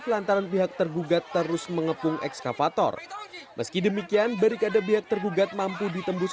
lantaran pihak tergugat terus mengepung ekskavator meski demikian berikada pihak tergugat mampu ditembus